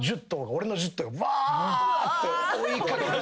俺の１０頭がばーって追い掛けて。